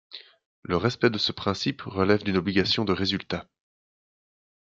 Le respect de ce principe relève d'une obligation de résultat.